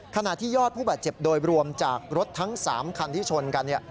ขณะที่ยอดผู้บาดเจ็บโดยรวมจากรถทั้ง๓คันที่ชนกัน